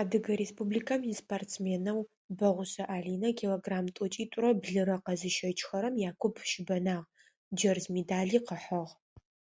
Адыгэ Республикэм испортсменэу Бэгъушъэ Алинэ килограмм тӀокӀитӀурэ блырэ къэзыщэчыхэрэм якуп щыбэнагъ, джэрз медали къыхьыгъ.